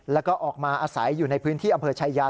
แล้วก็ออกมาอาศัยอยู่ในพื้นที่อำเภอชายา